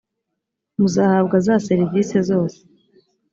muzahabwa za serivise zose